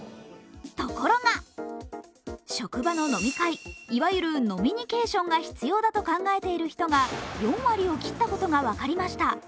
ところが職場の飲み会、いわゆる飲みニケーションが必要だと考えている人が４割を切ったことが分かりました。